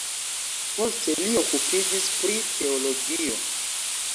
Poste li okupiĝis pri teologio.